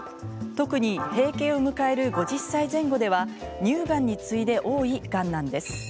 特に閉経を迎える５０歳前後では乳がんに次いで多いがんなんです。